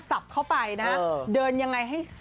เข้าไปนะเดินยังไงให้